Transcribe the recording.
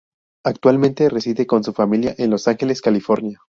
Actualmente reside con su familia en Los Ángeles, California.